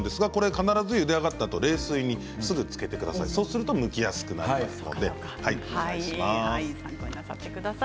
必ずゆで上がったあと冷水につけてくださいそうすると、むきやすいです。